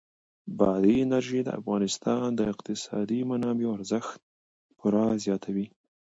بادي انرژي د افغانستان د اقتصادي منابعو ارزښت پوره زیاتوي.